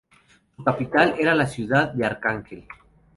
Su capital era la ciudad de Arcángel.